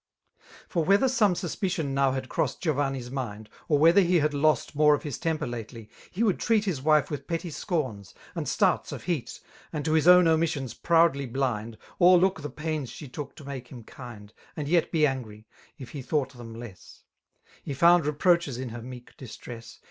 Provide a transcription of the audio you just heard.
m Por whether some raspicion now hadcroiSSQd ,'~* Giovanni's mind^ or whether he had lost More of his temper lately^ he would treat His wife with petty scomSj and starts of htot, ' And to his own omissions proudly bUnd, 0*a: ]ook the pains she took to make him kind^ And yet be angry, if he thought them lessj ^''^^ He found reproaches in her meek didtress